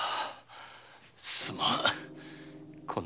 すまん。